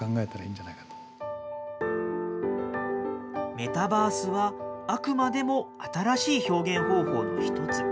メタバースはあくまでも新しい表現方法の一つ。